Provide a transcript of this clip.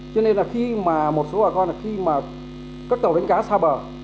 cho nên là khi mà một số bà con khi mà các tàu đánh cá xa bờ